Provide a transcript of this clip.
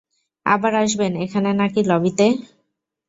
আবার আসবেন এখানে নাকি লবিতে?